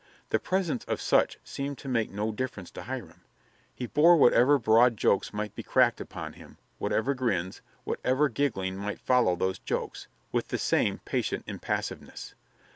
The presence of such seemed to make no difference to Hiram; he bore whatever broad jokes might be cracked upon him, whatever grins, whatever giggling might follow those jokes, with the same patient impassiveness.